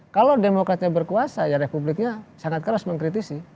kalau demokratnya berkuasa ya republiknya sangat keras mengkritisi